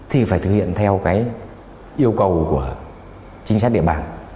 thì phải thực hiện theo cái yêu cầu của chính xác địa bàn